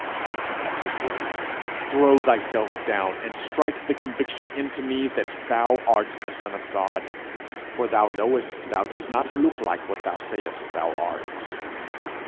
Take him at his word. Throw thyself down, and strike the conviction into me that thou art the Son of God. For thou knowest thou dost not look like what thou sayest thou art."